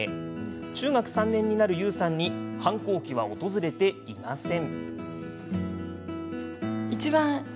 中学３年になる由羽さんに反抗期は訪れていません。